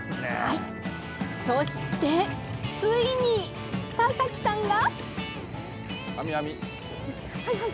そして、ついに田崎さんが。